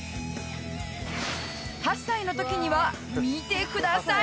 ８歳の時には見てください！